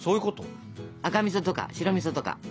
赤みそとか白みそとか。